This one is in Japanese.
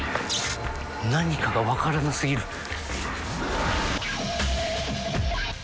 何かが分からな過ぎる。